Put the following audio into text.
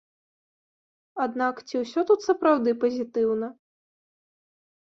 Аднак ці ўсё тут сапраўды пазітыўна?